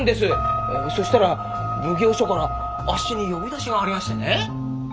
そしたら奉行所からあっしに呼び出しがありましてね。